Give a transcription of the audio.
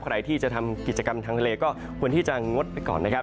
ใครที่จะทำกิจกรรมทางทะเลก็ควรที่จะงดไปก่อนนะครับ